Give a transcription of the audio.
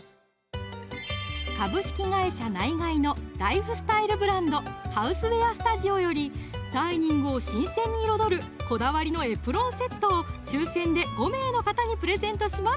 ナイガイのライフスタイルブランド「ＨＯＵＳＥＷＥＡＲＳＴＵＤＩＯ」よりダイニングを新鮮に彩るこだわりのエプロンセットを抽選で５名の方にプレゼントします